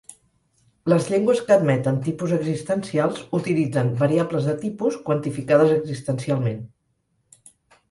Les llengües que admeten tipus existencials utilitzen variables de tipus quantificades existencialment.